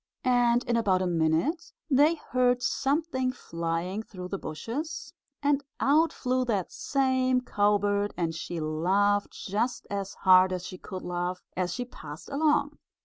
And in about a minute they heard something flying through the bushes and out flew that same cowbird, and she laughed just as hard as she could laugh, as she passed along.